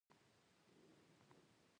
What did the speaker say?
له هغو قبایلو سره دې غرض نه کوي.